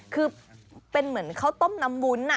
คือเป็นเหมือนข้าวต้มน้ำวุ้น